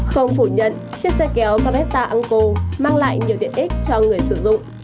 không phủ nhận chiếc xe kéo caretta uncle mang lại nhiều tiện ích cho người sử dụng